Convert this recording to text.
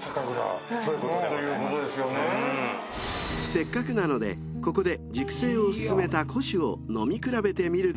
［せっかくなのでここで熟成を進めた古酒を飲み比べてみることに］